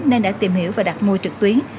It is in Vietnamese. nên đã tìm hiểu và đặt môi trực tuyến